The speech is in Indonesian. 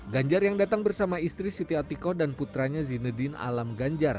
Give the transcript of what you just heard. ganjar yang datang bersama istri siti atiko dan putranya zinedin alam ganjar